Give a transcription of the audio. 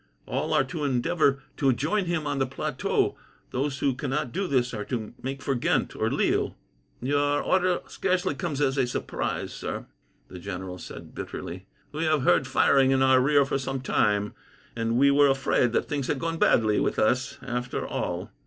All are to endeavour to join him on the plateau. Those who cannot do this are to make for Ghent or Lille." "Your order scarcely comes as a surprise, sir," the general said bitterly. "We have heard firing in our rear for some time, and we were afraid that things had gone badly with us, after all."